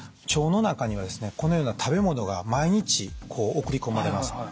腸の中にはですねこのような食べ物が毎日こう送り込まれます。